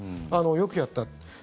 よくやった。